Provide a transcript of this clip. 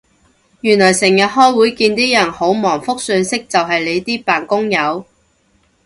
原來成日開會見啲人好忙覆訊息就係你呢啲扮工友